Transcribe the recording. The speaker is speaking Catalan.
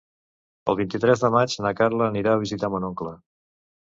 El vint-i-tres de maig na Carla anirà a visitar mon oncle.